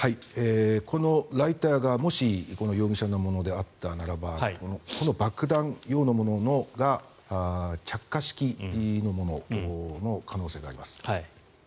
このライターがもし容疑者のものであったならばこの爆弾のようなものが着火式のものの可能性があります。